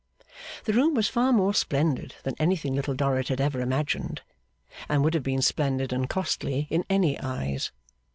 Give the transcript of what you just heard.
The room was far more splendid than anything Little Dorrit had ever imagined, and would have been splendid and costly in any eyes.